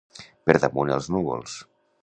Per damunt els núvols.